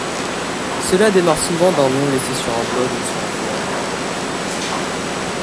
Cela démarre souvent d'un nom laissé sur un blog ou sur un forum.